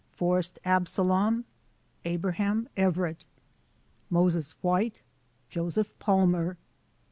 Forest Absalom ... Abram Everett. M03ES White .... Joseph Palmer.